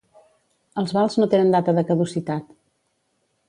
Els vals no tenen data de caducitat